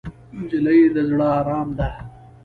نجلۍ د زړه ارام ده.